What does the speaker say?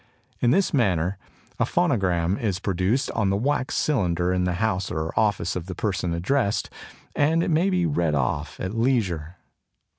In this manner a phonogram is produced on the wax cylinder in the house or office of the person addressed, and it may be read off at leisure.